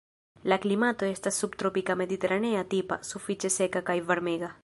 La klimato estas subtropika mediterane-tipa, sufiĉe seka kaj varmega.